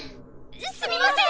すみません！